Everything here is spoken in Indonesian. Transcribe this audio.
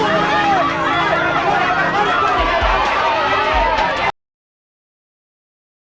gue ga tahu itu bagaimana sih